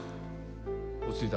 落ち着いた？